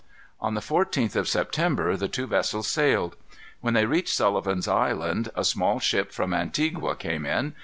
On the 14th of September the two vessels sailed. When they reached Sullivan's Island, a small ship from Antigua came in.